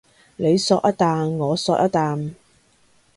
你嗦一啖我嗦一啖